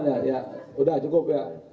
ya udah cukup ya